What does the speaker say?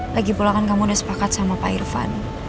lagi pula kan kamu udah sepakat sama pak irfan